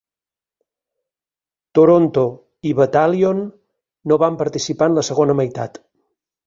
Toronto i Battalion no van participar en la segona meitat.